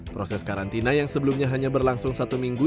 proses karantina yang sebelumnya hanya berlangsung satu minggu